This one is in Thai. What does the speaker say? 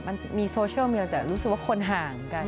มันมีโซเชียลมีอะไรแต่รู้สึกว่าคนห่างกัน